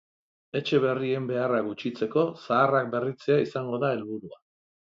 Etxe berrien beharra gutxitzeko, zaharrak berritzea izango da helburua.